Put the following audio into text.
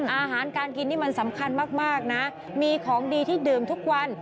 อาหารการกินนี่มันสำคัญมากนะมีของดีที่ดื่มทุกวัน